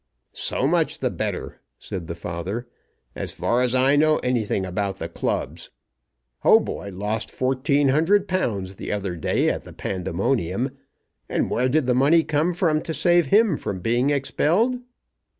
"So much the better," said the father, "as far as I know anything about the clubs. Hautboy lost fourteen hundred pounds the other day at the Pandemonium; and where did the money come from to save him from being expelled?"